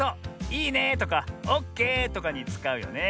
「いいね」とか「オッケー」とかにつかうよね。